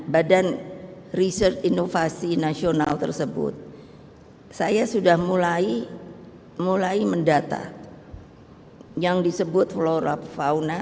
badan riset inovasi nasional tersebut saya sudah mulai mendata yang disebut flora fauna